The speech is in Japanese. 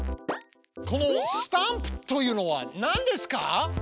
この「スタンプ」というのは何ですか？